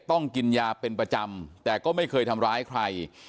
ต้องกินยาเป็นประจำแต่ก็ไม่เคยทำร้ายใคร